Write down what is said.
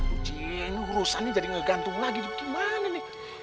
ujie ini urusan jadi ngegantung lagi gimana nih